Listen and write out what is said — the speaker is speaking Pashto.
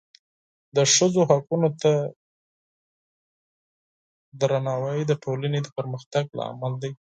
د ښځو حقونو ته احترام د ټولنې د پرمختګ لامل دی.